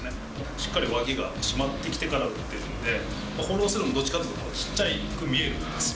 しっかり脇が締まってきてから打っているんで、フォロースルーもどっちかっていうと、小さく見えるんですよ。